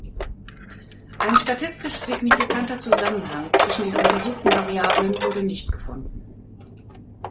Ein statistisch signifikanter Zusammenhang zwischen den untersuchten Variablen wurde nicht gefunden.